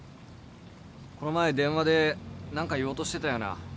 この前電話で何か言おうとしてたよな？